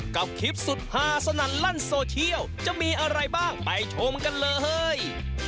กับคลิปสุดฮาสนั่นลั่นโซเชียลจะมีอะไรบ้างไปชมกันเลย